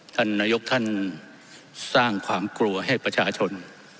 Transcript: ท่านนายกท่านสร้างความกลัวให้ประชาชน